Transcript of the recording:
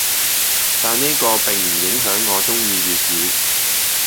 但呢個並唔影響我中意粵語‘